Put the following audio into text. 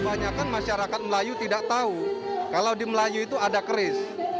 kebanyakan masyarakat melayu tidak tahu kalau di melayu itu ada keris